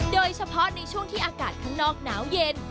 โดยเฉพาะในช่วงที่อากาศข้างนอกหนาวเย็น